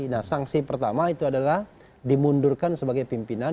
nah sanksi pertama itu adalah dimundurkan sebagai pimpinan